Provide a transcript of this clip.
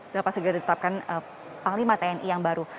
dapat segera ditetapkan panglima tni yang baru